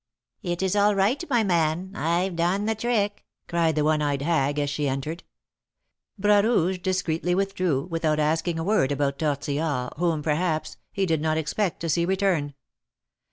"It is all right, my man, I've done the trick!" cried the one eyed hag, as she entered. Bras Rouge discreetly withdrew, without asking a word about Tortillard, whom, perhaps, he did not expect to see return.